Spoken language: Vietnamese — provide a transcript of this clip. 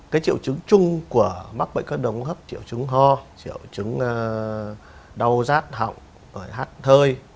cái triệu chứng chung của mắc bệnh hô hấp là triệu chứng ho triệu chứng đau rát hỏng hát thơi